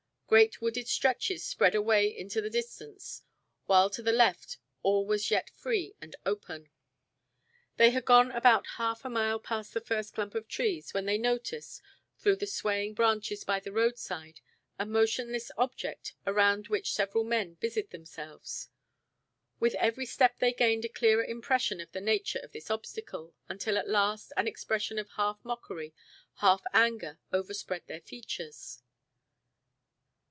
Great wooded stretches spread away into the distance, while to the left all was yet free and open. They had gone about half a mile past the first clump of trees when they noticed, through the swaying branches by the roadside, a motionless object around which several men busied themselves. With every step they gained a clearer impression of the nature of this obstacle until, at last, an expression of half mockery, half anger overspread their features.